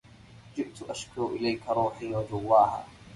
جئتُ أشكو لكِ روحي وجواها